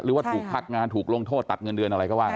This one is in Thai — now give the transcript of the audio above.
หรือว่าถูกพักงานถูกลงโทษตัดเงินเดือนอะไรก็ว่า